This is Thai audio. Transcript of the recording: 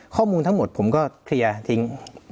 ข้อมูลทั้งหมดผมก็เคลียร์ทิ้ง